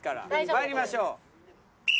参りましょう。